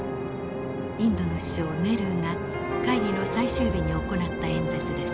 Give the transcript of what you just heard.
インドの首相ネルーが会議の最終日に行った演説です。